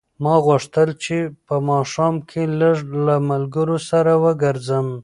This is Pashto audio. ما غوښتل چې په ماښام کې لږ له ملګرو سره وګرځم.